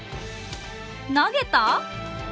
投げた？